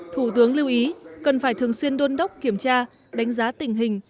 thủ tướng lưu ý cần phải thường xuyên đôn đốc kiểm tra đánh giá tình hình